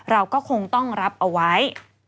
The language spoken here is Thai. เราก็คงต้องรับเอาไว้